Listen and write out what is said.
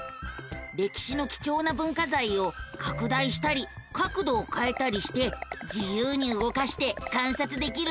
歴史の貴重な文化財を拡大したり角度をかえたりして自由に動かして観察できるのさ。